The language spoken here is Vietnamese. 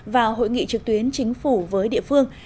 vào hội nghị trực tuyến chính phủ với địa phương